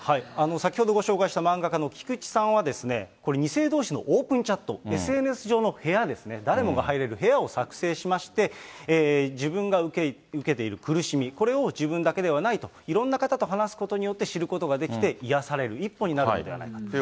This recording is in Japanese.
先ほどご紹介した漫画家の菊池さんは、これ、２世どうしのオープンチャット、ＳＮＳ上の部屋ですね、誰もが入れる部屋を作成しまして、自分が受けている苦しみ、これを自分だけではないと、いろんな方と話すことによって知ることができて、癒される一歩になるのではないかと。